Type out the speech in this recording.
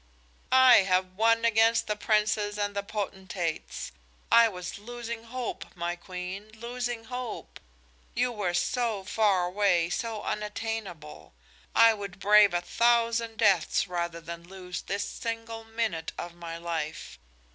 "I have won against the princes and the potentates! I was losing hope, my Queen, losing hope. You were so far away, so unattainable. I would brave a thousand deaths rather than lose this single minute of my life.